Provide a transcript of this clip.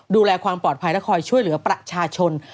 ดูแลความปลอดภัยและคอยช่วยเหลือประชาชน